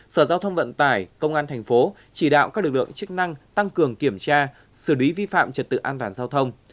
sở giao thông vận tải công an thành phố chỉ đạo các lực lượng chức năng tăng cường kiểm tra xử lý vi phạm trật tự an toàn giao thông